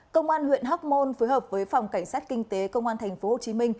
công an huyện hóc môn phối hợp với phòng cảnh sát kinh tế công an tp hcm